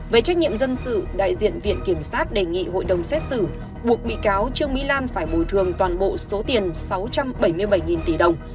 về trách nhiệm dân sự đại diện viện kiểm sát đề nghị hội đồng xét xử buộc bị cáo trương mỹ lan phải bồi thường toàn bộ số tiền sáu trăm bảy mươi bảy tỷ đồng